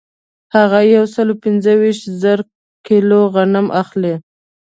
هغه یو سل پنځه ویشت زره کیلو غنم اخلي